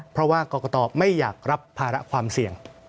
เพราะว่ากรกตไม่อยากรับภาระความเสี่ยง